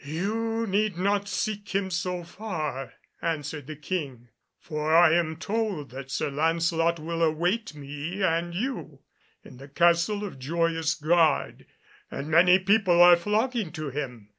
"You need not seek him so far," answered the King, "for I am told that Sir Lancelot will await me and you in the Castle of Joyous Gard, and many people are flocking to him.